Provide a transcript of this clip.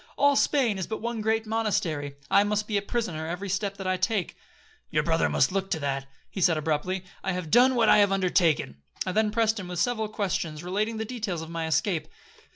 All Spain is but one great monastery,—I must be a prisoner every step that I take.'—'Your brother must look to that,' said he abruptly; 'I have done what I have undertaken.' I then pressed him with several questions relating to the details of my escape.